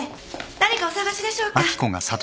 何かお探しでしょうか？